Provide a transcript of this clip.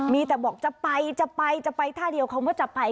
มีแต่บอกจะไปท่าเดียวเขาก็จะไป